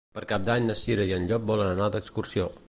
Per Cap d'Any na Cira i en Llop volen anar d'excursió.